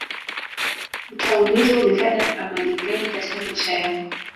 utaulizwa ulifanya amali gani katika maisha yako